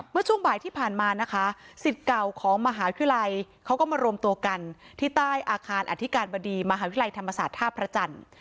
เมื่อช่วงบ่ายที่ผ่านมานะคะสิทธิ์เก่าของมหาวิทยาลัยเขาก็มารวมตัวกันที่ใต้อาคารอธิการบดีมหาวิทยาลัยธรรมศาสตร์ท่าพระจันทร์